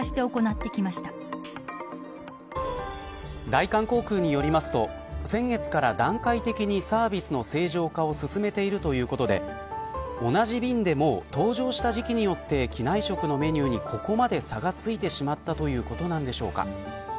大韓航空によりますと先月から段階的にサービスの正常化を進めているということで同じ便でも搭乗した時期によって機内食のメニューにここまで差がついてしまったということなんでしょうか。